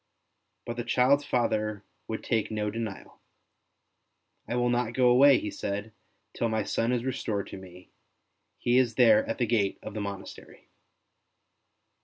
But the child's father would take no denial. '' I will not go away," he said, '' till my son is restored to me; he is there at the gate of the monastery."